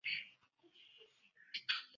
南北三百余里。